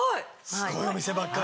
すごいお店ばっかり？